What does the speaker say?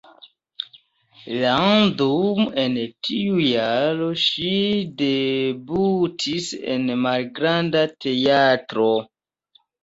Jam dum en tiu jaro ŝi debutis en malgranda teatro.